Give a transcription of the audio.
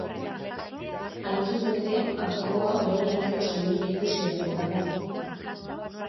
Hain zuzen ere, atzokoa orain arteko saiorik ikusiena izan da.